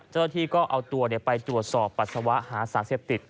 เจ้าหน้าที่ก็เอาตัวไปตรวจสอบปัสสาวะหาสารเสพติด